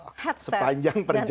hatsan dan efpc